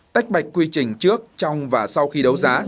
tách bạch quy trình trước trong và sau khi đấu giá